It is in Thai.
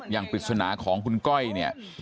ปริศนาของคุณก้อยเนี่ย